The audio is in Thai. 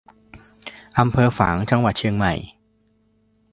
อำเภอฝาง จังหวัดเชียงใหม่